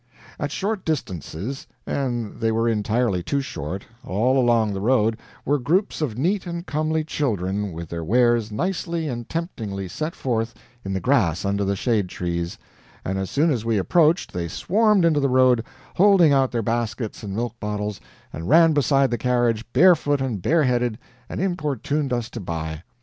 At short distances and they were entirely too short all along the road, were groups of neat and comely children, with their wares nicely and temptingly set forth in the grass under the shade trees, and as soon as we approached they swarmed into the road, holding out their baskets and milk bottles, and ran beside the carriage, barefoot and bareheaded, and importuned us to buy.